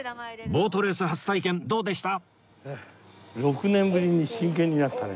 ボートレース初体験どうでした？